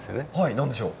何でしょう？